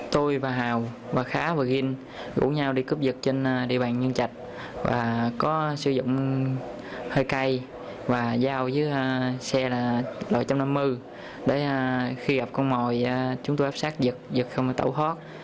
tôi và hào và khá và gin gũi nhau đi cướp vật trên địa bàn nhân trạch và có sử dụng hơi cay và giao với xe lòi một trăm năm mươi để khi gặp con mồi chúng tôi áp sát vật vật không tẩu hót